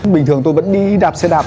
bình thường tôi vẫn đi đạp xe đạp